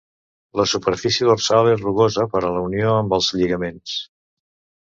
La superfície dorsal és rugosa per a la unió amb els lligaments.